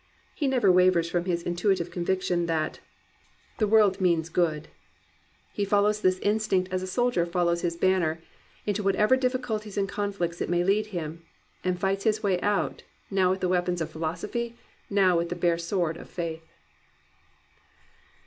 He never wavers from his intuitive conviction that "the world means 273 COMPANIONABLE BOOKS good/* He follows this instinct as a soldier follows his banner, into whatever diflSculties and conflicts it may lead him, and fights his way out, now with the weapons of philosophy, now with the bare sword of faith.